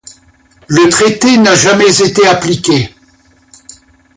Le traité n'a jamais été appliqué.